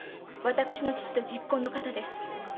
私の父と昵懇の方です。